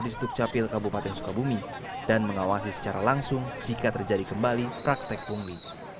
di sdukcapil kabupaten sukabumi dan mengawasi secara langsung jika terjadi kembali praktek pungli